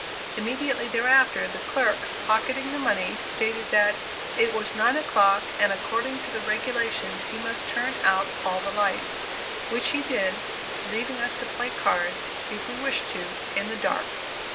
Immediately thereafter, the clerk, pocketing the money, stated that "it was nine o'clock and according to the regulations he must turn out all the lights" which he did, leaving us to play cards, if we wished to, in the dark.